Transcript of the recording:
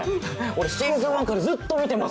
俺シーズン１からずっと見てます。